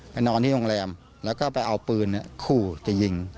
นอนที่โรงแรมแล้วก็ไปเอาปืนขู่จะยิง